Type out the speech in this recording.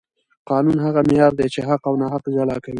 قانون هغه معیار دی چې حق او ناحق جلا کوي